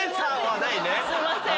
すいません。